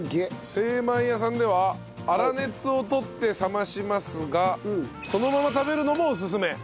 精まい家さんでは粗熱をとって冷ましますがそのまま食べるのもおすすめ。